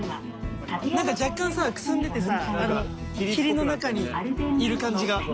なんか若干さかすんでてさ霧の中にいる感じが。